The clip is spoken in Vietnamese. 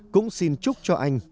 cũng xin chúc cho anh